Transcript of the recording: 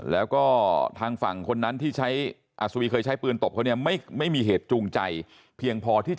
แล้วก็ทางฝั่งคนนั้นที่ใช้อัศวีเคยใช้ปืนตบเขาเนี่ยไม่มีเหตุจูงใจเพียงพอที่จะ